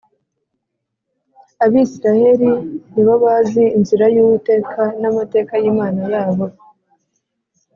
Abisiraheli ni bo bazi inzira y’ Uwiteka n ‘amateka y ‘Imana yabo